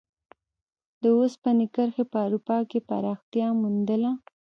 د اوسپنې کرښې په اروپا کې پراختیا وموندله.